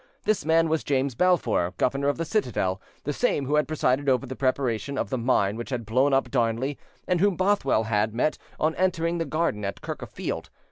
This man was James Balfour, governor of the citadel, the same who had presided over the preparation of the mine which had blown up Darnley, and whom Bothwell had, met on entering the garden at Kirk of Field.